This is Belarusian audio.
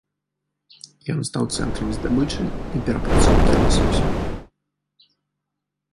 Ён стаў цэнтрам здабычы і перапрацоўкі ласосяў.